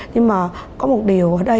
nhưng mà có một điều